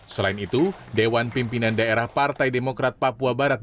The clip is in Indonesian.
selain itu dewan pimpinan daerah partai demokrat papua barat